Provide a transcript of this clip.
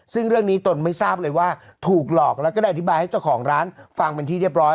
ซึ่งเรื่องนี้ตนไม่ทราบเลยว่าถูกหลอกแล้วก็ได้อธิบายให้เจ้าของร้านฟังเป็นที่เรียบร้อย